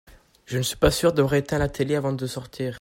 Je ne suis pas sûr d'avoir éteint la télé avant de sortir.